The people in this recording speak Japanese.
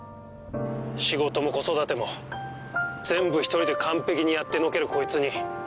仕事も子育ても全部一人で完璧にやってのけるこいつに。